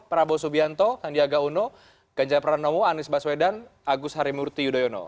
prabowo subianto sandiaga uno ganjar pranowo anies baswedan agus harimurti yudhoyono